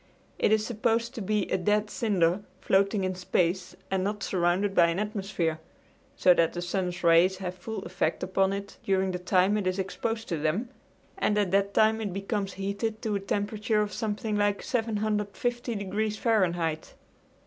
It is supposed to be a dead cinder floating in space and not surrounded by an atmosphere, so that the sun's rays have full effect upon it during the time it is exposed to them, and at that time it becomes heated to a temperature of something like 750 degrees Fahrenheit.